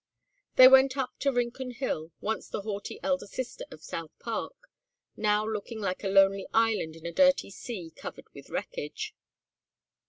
They went up to Rincon Hill, once the haughty elder sister of South Park, now looking like a lonely island in a dirty sea covered with wreckage.